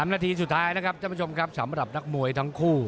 ๓นาทีสุดท้ายนะครับสำหรับนักมวยทั้งคู่